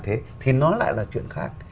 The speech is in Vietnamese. thế thì nó lại là chuyện khác